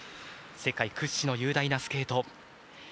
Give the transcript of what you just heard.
世界屈指の雄大なスケート。